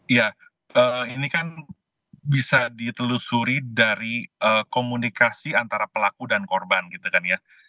iya ini kan bisa ditelusuri dari komunikasi antara pelaku dan korban gitu kan ya